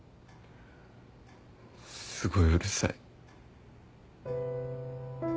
すごいうるさい。